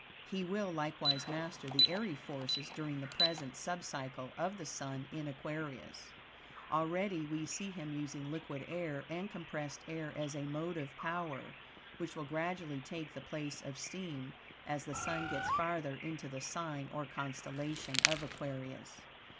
He will likewise master the airy forces during the present sub cycle of the Sun in Aquarius. Already we see him using liquid air and compressed air as a motive power, which will gradually take the place of steam as the Sun gets farther into the sign, or constellation, of Aquarius.